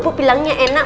bu bilangnya enak